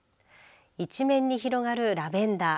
一面に広がるラベンダー。